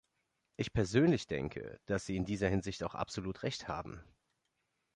Ich persönlich denke, dass sie in dieser Hinsicht auch absolut Recht haben.